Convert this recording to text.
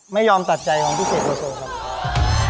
ไม่ยอมตัดใจของพี่เสกโลโซครับ